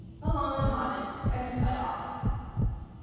Malone nodded, and cut off.